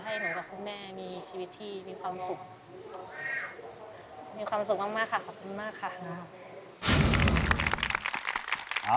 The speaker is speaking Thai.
ให้หนูกับคุณแม่มีชีวิตที่มีความสุข